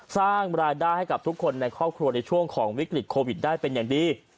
สร้างรายได้ให้กับทุกคนในครอบครัวในช่วงของวิกฤตโควิดได้เป็นอย่างดี